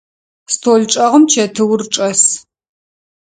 Стол чӏэгъым чэтыур чӏэс.